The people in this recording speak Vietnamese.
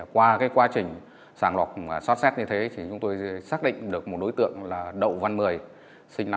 qua quá trình sàng lọc xót xét như thế thì chúng tôi xác định được một đối tượng là đậu văn mười sinh năm một nghìn chín trăm tám